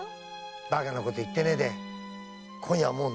バカなこと言ってないで今夜はもう寝ろ。